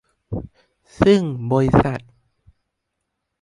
ซึ่งบริษัท